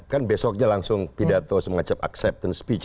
kan besoknya langsung pidato semacam acceptance speech